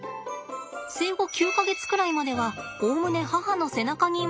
生後９か月くらいまではおおむね母の背中にいます。